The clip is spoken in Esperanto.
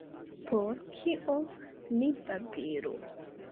Por kio ni babilu.